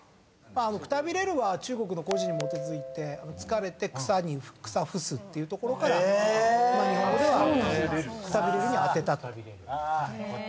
「草臥れる」は中国の故事に基づいて疲れて草に伏すっていうところから日本語では「草臥れる」に当てたと。